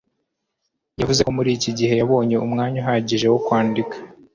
yavuze ko muri iki gihe yabonye umwanya uhagije wo kwandika